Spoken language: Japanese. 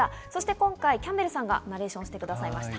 今回、キャンベルさんがナレーションしてくださいました。